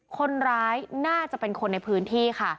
คนร้ายน่าจะเป็นคนในพื้นที่ค่ะ